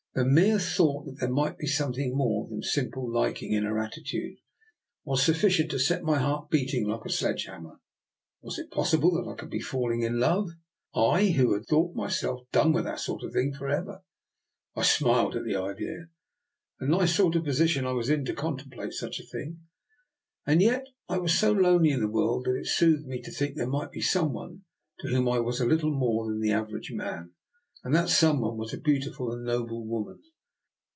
The mere thought that there might be some thing more than simple liking in her attitude was sufficient to set my heart beating like a sledge hammer. Was it possible I could be falling in love? I, who had thought myself done with that sort of thing for ever? I smiled at the idea. A nice sort of position I was in to contemplate such a thing. And yet I was so lonely in the world that it soothed me to think there might be some one to whom I was a little more than the average man, and that that some one was a beautiful and noble woman.